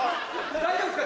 大丈夫ですか？